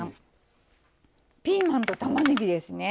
ピーマンとたまねぎですね。